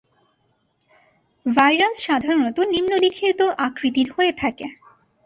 Virus সাধারণত নিম্ন লিখিত আকৃতির হয়ে থাকে।